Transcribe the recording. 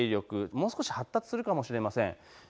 もう少し発達するかもしれません。